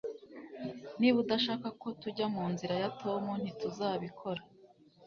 Niba udashaka ko tujya munzira ya Tom ntituzabikora